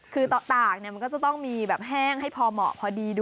คือตากมันก็จะต้องมีแบบแห้งให้พอเหมาะพอดีด้วย